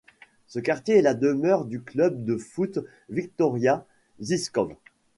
Ce quartier est la demeure du club de foot Viktoria Žižkov.